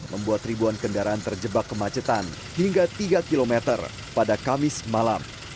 membuat ribuan kendaraan terjebak kemacetan hingga tiga km pada kamis malam